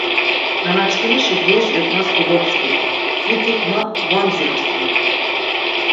Nana çkimişi guriş eǩnas kodopskidi, mitik ma va mdzirasunon!